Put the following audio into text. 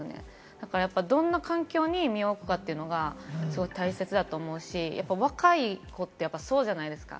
だからどんな環境に身を置くかっていうのが大切だと思うし、やっぱり若い子ってそうじゃないですか。